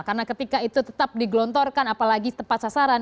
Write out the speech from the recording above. karena ketika itu tetap digelontorkan apalagi tempat sasaran